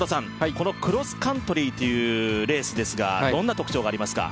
このクロスカントリーっていうレースですがどんな特徴がありますか？